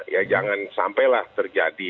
ya jangan sampelah terjadi